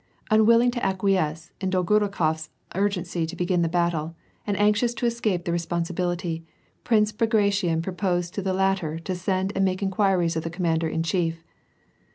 Unwilling to acquiesce in Dolgorukhof 's urg ency to begin the battle, and anxious to escape the responsi bility, Prince Bagration proposed to the latter to send and Daake inquiries of the commander in chief.